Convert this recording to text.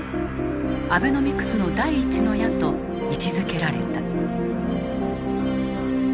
アベノミクスの第１の矢と位置づけられた。